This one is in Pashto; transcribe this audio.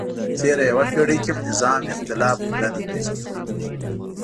په تېره یوه پیړۍ کې مو نظام اختلاف نه پېژندلی.